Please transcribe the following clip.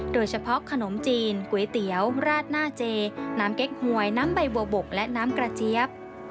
โดยเฉพาะขนมจีนก๋วยเตี๋ยวราดหน้าเจน้ำเก๊กหวยน้ำใบบัวบกและน้ำกระเจี๊ยบ